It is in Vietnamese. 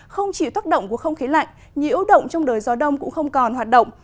không chịu tác động của không khí lạnh nhiễu động trong đời gió đông cũng không còn hoạt động